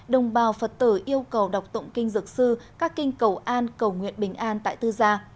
đồng bào phật tử yêu cầu đọc tụng kinh dược sư các kinh cầu an cầu nguyện bình an tại tư gia